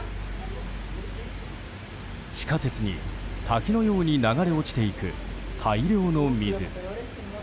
地下鉄に滝のように流れ落ちていく大量の水。